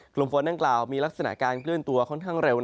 กลุ่มฝนดังกล่าวมีลักษณะการเคลื่อนตัวค่อนข้างเร็ว